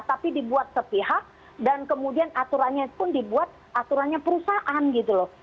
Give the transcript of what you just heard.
tapi dibuat sepihak dan kemudian aturannya pun dibuat aturannya perusahaan gitu loh